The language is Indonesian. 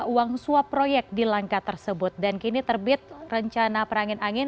uang suap proyek di langkat tersebut dan kini terbit rencana perangin angin